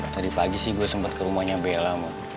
tadi pagi sih gue sempet ke rumahnya bella